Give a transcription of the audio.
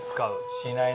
しないね。